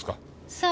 そう。